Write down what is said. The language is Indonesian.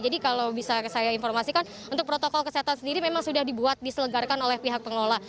jadi kalau bisa saya informasikan untuk protokol kesehatan sendiri memang sudah dibuat diselenggarkan oleh pihak pengelola